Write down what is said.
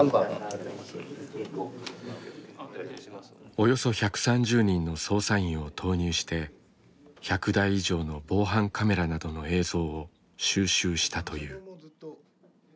およそ１３０人の捜査員を投入して１００台以上の防犯カメラなどの映像を収集したという。